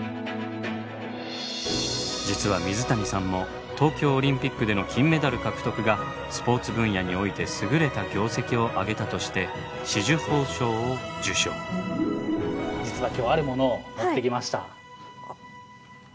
実は水谷さんも東京オリンピックでの金メダル獲得がスポーツ分野においてすぐれた業績を挙げたとして実は今日あるものを持ってきました。